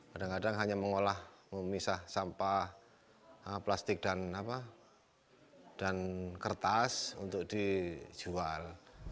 kadang kadang hanya mengolah memisah sampah plastik dan kertas untuk dijual